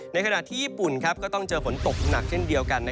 ในขณะที่ญี่ปุ่นก็ต้องเจอฝนตกหนักเช่นเดียวกัน